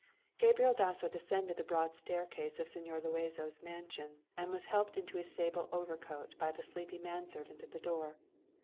Gabriel Dasso descended the broad stairway of Señor Luazo's mansion, and was helped into his sable overcoat by the sleepy man servant at the door.